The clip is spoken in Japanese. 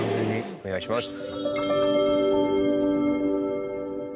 お願いします。